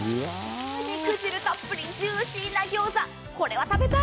肉汁たっぷり、ジューシーなギョーザ、これは食べたい！